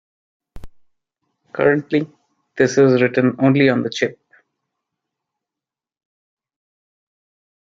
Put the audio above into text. Currently, this is written only on the chip.